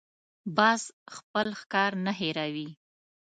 باز خپل ښکار نه هېروي